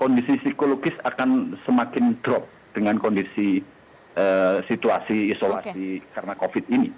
kondisi psikologis akan semakin drop dengan kondisi situasi isolasi karena covid ini